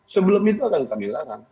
sebelum itu akan kami larang